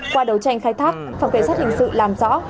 qua đấu tranh khai thác phòng cảnh sát hình sự làm rõ